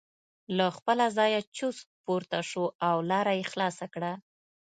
له خپله ځایه چست پورته شو او لاره یې خلاصه کړه.